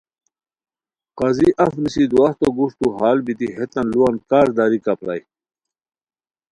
قاضی اف نیسی دُواہتو گوُݯتو ہال بیتی ہیتان لوُان کار داریکا پرائے